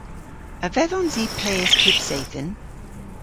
A vedhons i peys pub seythen?